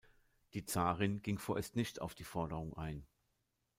Die Zarin ging vorerst nicht auf die Forderung ein.